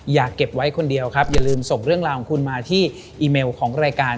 เก็บไว้คนเดียวครับอย่าลืมส่งเรื่องราวของคุณมาที่อีเมลของรายการ